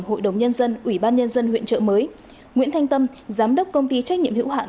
hội đồng nhân dân ủy ban nhân dân huyện trợ mới nguyễn thanh tâm giám đốc công ty trách nhiệm hữu hạn